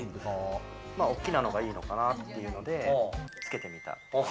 大きなのがいいのかなっていうのでつけてみた。